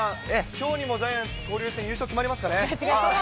きょうにもジャイアンツ、交流戦、優勝決まりますかね。